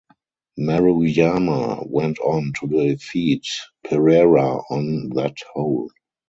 Maruyama went on to defeat Perera on that hole.